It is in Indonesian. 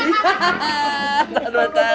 saya ke jakarta tuh dede masih smp